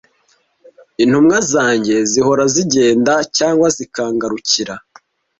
Intumwa zanjye zihora zigenda cyangwa zikangarukira.